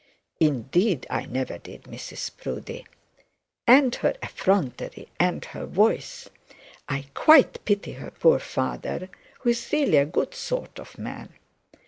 'Indeed I never did, Mrs Proudie.' 'And her effrontery, and her voice; I quite pity her poor father, who is really a good sort of man.'